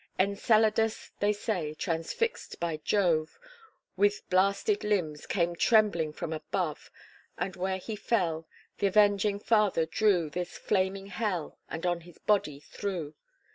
Enceladus, they say, transfixed by Jove, With blasted limbs came trembling from above, And where he fell, th' avenging father drew This flaming hell, and on his body threw.